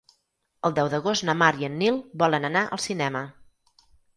El deu d'agost na Mar i en Nil volen anar al cinema.